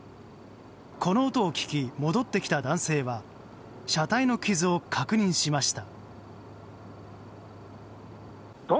この音を聞き、戻ってきた男性は車体の傷を確認しました。